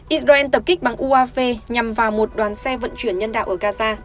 israel tập kích bằng uav nhằm vào một đoàn xe vận chuyển nhân đạo ở gaza